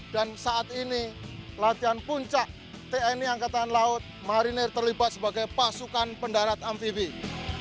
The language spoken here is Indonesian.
dan saat ini latihan puncak tni angkatan laut marinir terlibat sebagai pasukan mendarat ampibih